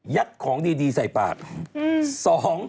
๑ยัดของดีใส่ปาก